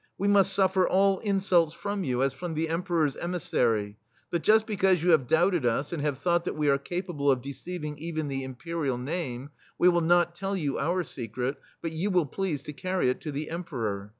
We must suffer all insults from you, as C 46 ] THE STEEL FLEA from the Emperor's emissary, but just because you have doubted us and have thought that we are capable of deceiv ing even the Imperial name, we will not tell you our secret, but you will please to carry it to the Emperor.